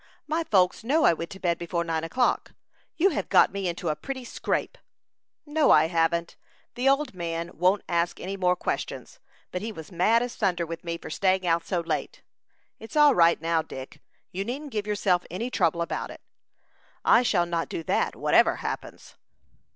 My folks know I went to bed before nine o'clock. You have got me into a pretty scrape." "No, I haven't. The old man won't ask any more questions; but he was mad as thunder with me for staying out so late. It's all right now, Dick; you needn't give yourself any trouble about it." "I shall not do that, whatever happens."